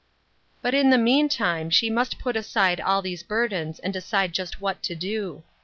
But in the meantime, she must put aside all these burdens and decide just what to do.